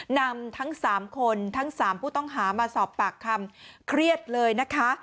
นำทั้ง๓คนทั้ง๓ผู้ต้องหามาสอบปากคำเครียดเลยนะคะ